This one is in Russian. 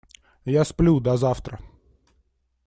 Я сплю, до завтра!